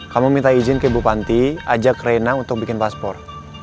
kamu minta izin ke ibu panti ajak rena untuk bikin paspor